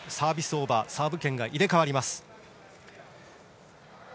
オーバーサーブ権が入れ替わります。